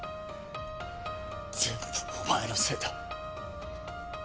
全部お前のせいだ。